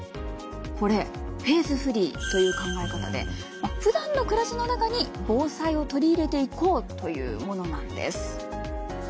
これフェーズフリーという考え方でふだんの暮らしの中に防災を取り入れていこうというものなんです。